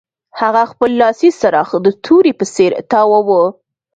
هغه خپل لاسي څراغ د تورې په څیر تاواوه